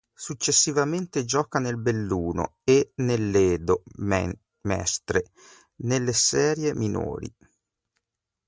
Successivamente gioca nel Belluno e nell'Edo Mestre nelle serie minori.